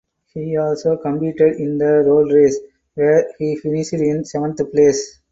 He also competed in the road race where he finished in seventh place.